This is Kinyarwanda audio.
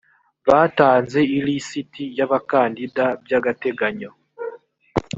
batanze ilisiti y’abakandida by’agateganyo